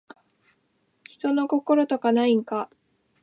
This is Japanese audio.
人の心とかないんか